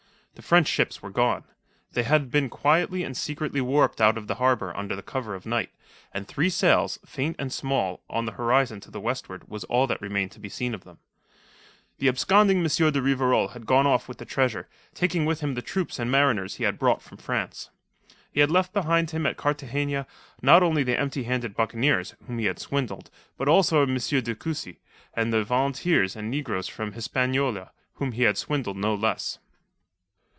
The French ships were gone. They had been quietly and secretly warped out of the harbour under cover of night, and three sails, faint and small, on the horizon to westward was all that remained to be seen of them. The absconding M. de Rivarol had gone off with the treasure, taking with him the troops and mariners he had brought from France. He had left behind him at Cartagena not only the empty handed buccaneers, whom he had swindled, but also M. de Cussy and the volunteers and negroes from Hispaniola, whom he had swindled no less.